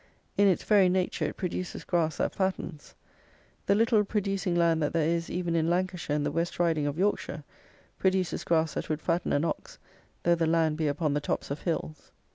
In its very nature it produces grass that fattens. The little producing land that there is even in Lancashire and the West Riding of Yorkshire, produces grass that would fatten an ox, though the land be upon the tops of hills.